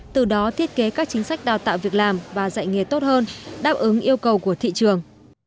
từ đó thiết kế các chính sách đào tạo việc làm và dạy nghề tốt hơn đáp ứng yêu cầu của thị trường